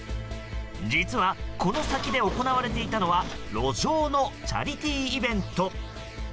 実はこの先で行われていたのは路上のチャリティーイベント。